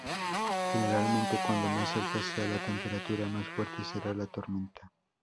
Generalmente, cuanto más alta sea la temperatura, más fuerte será la tormenta.